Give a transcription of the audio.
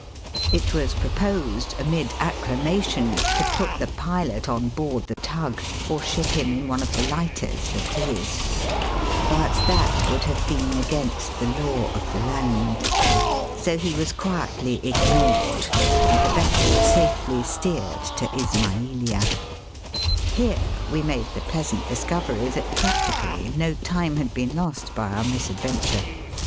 It was proposed, amid acclamation, to put the pilot on board the tug, or ship him in one of the lighters for Suez, But that would have been against the law of the land ; so he was quietly ignored, and the vessel safely steered to Ismailia, Here we made the pleasant dis covery that practically no time had been lost by our misadventure.